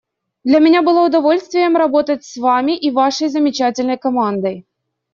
Для меня было удовольствием работать с Вами и Вашей замечательной командой.